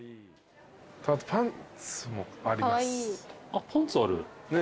あっパンツある？